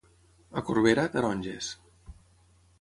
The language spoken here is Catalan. A Corbera, taronges.